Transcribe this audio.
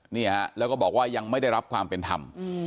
เนี่ยฮะแล้วก็บอกว่ายังไม่ได้รับความเป็นธรรม